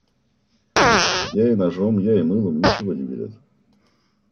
Я и ножом, я и мылом - ничего не берет.